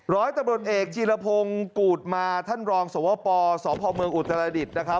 ร้อยตำรวจเอกจีรพงศ์กูธมาท่านรองสวปสพเมืองอุตรดิษฐ์นะครับ